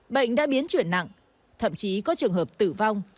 bệnh đã biến chuyển nặng thậm chí có trường hợp tử vong